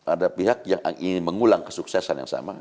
ada pihak yang ingin mengulang kesuksesan yang sama